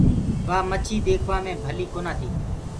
وآ مڇي ديکوآ مي ڀلي ڪونآ تي۔